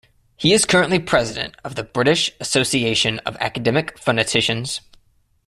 He is currently President of the British Association of Academic Phoneticians.